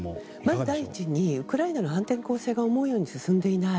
まず第一にウクライナの反転攻勢が思うように進んでいない。